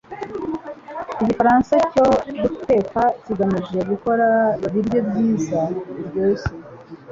Igifaransa cyo guteka kigamije gukora ibiryo byiza, biryoshye.